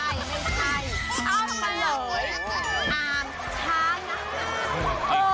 ช้าน่ะ